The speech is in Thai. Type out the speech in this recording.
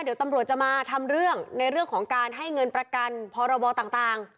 เดี๋ยวตำรวจจะมาทำเรื่องในเรื่องของการให้เงินประกันพรบต่าง